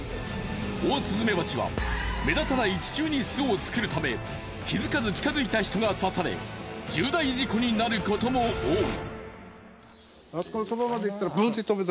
オオスズメバチは目立たない地中に巣を作るため気づかず近づいた人が刺され重大事故になることも多い。